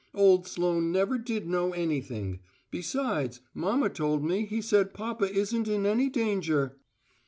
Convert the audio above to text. "Old Sloane never did know anything. Besides, mamma told me he said papa isn't in any danger."